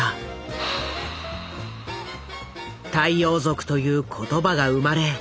「太陽族」という言葉が生まれ